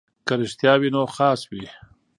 که رښتیا وي نو خاص وي.